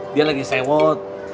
dia lagi sewot